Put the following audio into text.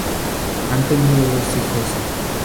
Han tenido dos hijos.